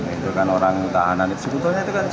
itu kan orang tahanan